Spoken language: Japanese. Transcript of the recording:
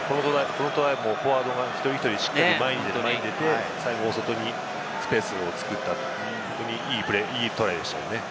このトライもフォワードが１人１人、しっかりと前に出て最後、大外にスペースを作った本当にいいプレー、いいトライでしたね。